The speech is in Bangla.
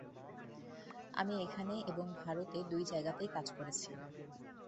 আমি এখানে এবং ভারতে দু-জায়গাতেই কাজ করছি।